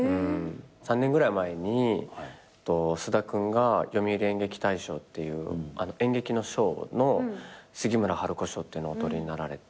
３年ぐらい前に菅田君が読売演劇大賞っていう演劇の賞の杉村春子賞っていうのをお取りになられて。